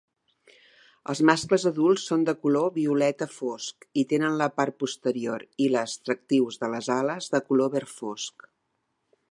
Els mascles adults són de color violeta fosc i tenen la part posterior i les tectrius de les ales de color verd fosc.